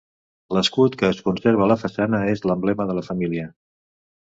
L'escut que es conserva a la façana és l'emblema de la família.